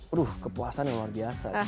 aduh kepuasan yang luar biasa